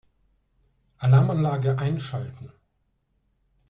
Alarmanlage einschalten.